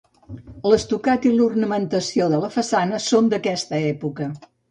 L'estucat i l'ornamentació de la façana són d'aquesta època.